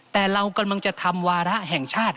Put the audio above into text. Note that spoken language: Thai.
แต่เรากำลังจะทำวาระแห่งชาติ